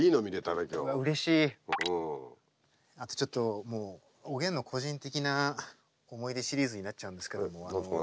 あとちょっとおげんの個人的な思い出シリーズになっちゃうんですけど。